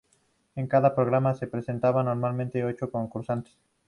En cada programa se presentaban normalmente ocho concursantes.